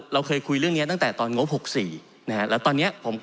เราเคยคุยเรื่องนี้ตั้งแต่ตอนงบ๖๔นะฮะแล้วตอนนี้ผมก็